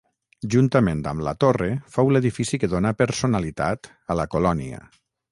Juntament amb la torre fou l'edifici que donà personalitat a la colònia.